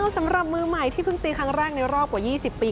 สำหรับมือใหม่ที่เพิ่งตีครั้งแรกในรอบกว่า๒๐ปี